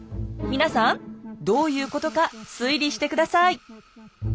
皆さんどういうことか推理して下さい。